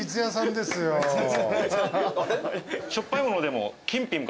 しょっぱいものでも。